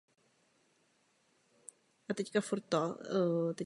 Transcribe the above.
Jeho bratrem byl fotbalový reprezentant Antonín Vodička.